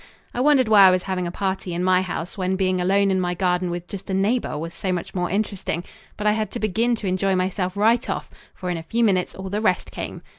I wondered why I was having a party in my house when being alone in my garden with just a neighbour was so much more interesting, but I had to begin to enjoy myself right off, for in a few minutes all the rest came.